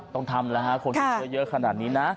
ต้องทำล่ะคนทำเชื้อเยอะขนาดนี้